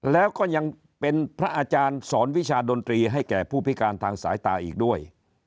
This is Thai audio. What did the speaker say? แล้วก็ยังเป็นพระอาจารย์สอนวิชาดนตรีให้แก่ผู้พิการทางสายตาอีกด้วย